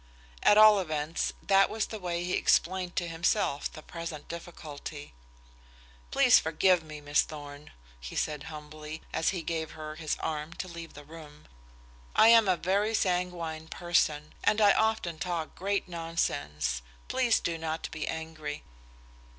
At all events, that was the way he explained to himself the present difficulty. "Please forgive me, Miss Thorn," he said humbly, as he gave her his arm to leave the room. "I am a very sanguine person, and I often talk great nonsense. Please do not be angry."